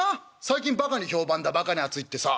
最近バカに評判だバカに熱いってさ。